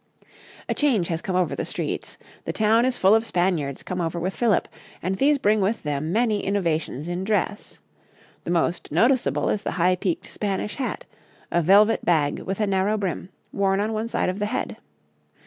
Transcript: A change has come over the streets, the town is full of Spaniards come over with Philip, and these bring with them many innovations in dress. The most noticeable is the high peaked Spanish hat, a velvet bag with a narrow brim, worn on one side of the head.